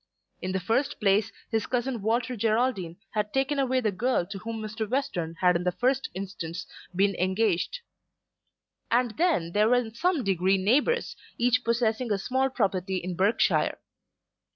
In the first place his cousin Walter Geraldine had taken away the girl to whom Mr. Western had in the first instance been engaged. And then they were in some degree neighbours, each possessing a small property in Berkshire.